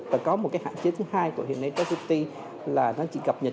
và có một cái hạn chế thứ hai của hiện nay trashcbt là nó chỉ cập nhật